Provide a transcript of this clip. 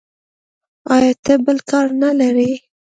ایا ته بل کار نه لرې.